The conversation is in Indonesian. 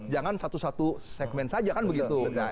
jangan satu satu segmen saja kan begitu